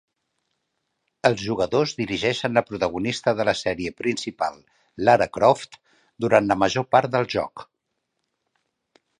Els jugadors dirigeixen la protagonista de la sèrie principal, Lara Croft, durant la major part del joc.